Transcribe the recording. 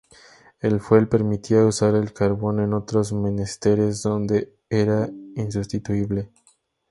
El fuel permitía usar el carbón en otros menesteres donde era insustituible.